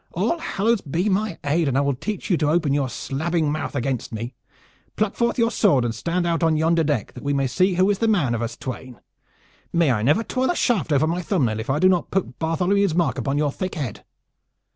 "All hallows be my aid, and I will teach you to open your slabbing mouth against me! Pluck forth your sword and stand out on yonder deck, that we may see who is the man of us twain. May I never twirl a shaft over my thumb nail if I do not put Bartholomew's mark upon your thick head!"